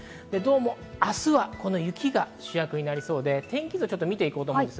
明日はこの雪が主役になりそうで、天気図を見ていきます。